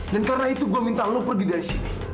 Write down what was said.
dan karena itu gue minta lo pergi dari sini